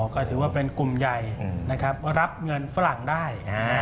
อ๋อก็ถือว่าเป็นกลุ่มใหญ่รับเงินฝรั่งได้